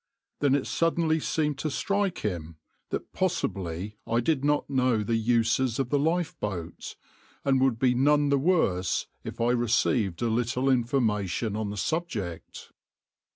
Then it suddenly seemed to strike him that possibly I did not know the uses of the lifeboat, and would be none the worse if I received a little information on the subject.